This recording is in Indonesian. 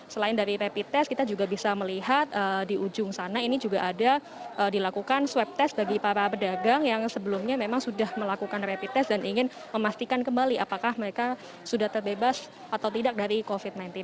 selain dari rapid test kita juga bisa melihat di ujung sana ini juga ada dilakukan swab test bagi para pedagang yang sebelumnya memang sudah melakukan rapid test dan ingin memastikan kembali apakah mereka sudah terbebas atau tidak dari covid sembilan belas